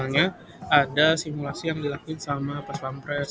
soalnya ada simulasi yang dilakuin sama pampres